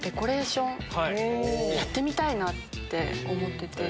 やってみたいなって思ってて。